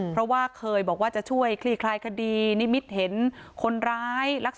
เพราะว่าเคยจะช่วยคลียดคลายคดีนิมิตว์แถนคนร้าย